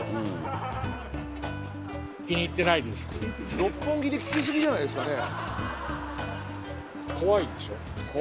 六本木で聞きすぎじゃないですかねえ。